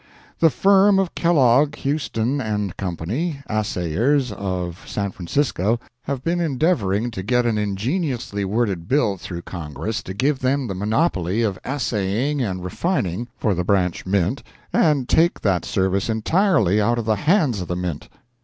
The firm of Kellogg, Hueston & Co., assayors, of San Francisco, have been endeavoring to get an ingeniously worded bill through Congress to give them the monopoly of assaying and refining for the Branch Mint and take that service entirely out [of] the hands of the Mint.